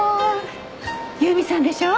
由美さんでしょ？